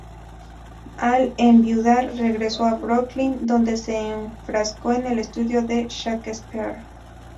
Al enviudar, regresó a Brooklyn, donde se enfrascó en el estudio de Shakespeare.